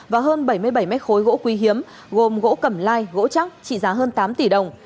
và hơn bảy mươi bảy m khối gỗ quy hiếm gồm gỗ cầm lai gỗ chắc trị giá hơn tám tỷ đồng